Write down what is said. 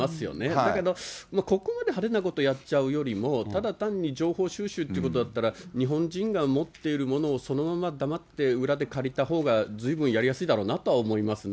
だけど、ここまで派手なことやっちゃうよりも、ただ単に情報収集っていうことだったら、日本人が持っているものをそのまま黙って裏で借りたほうがずいぶんやりやすいだろうなとは思いますよね。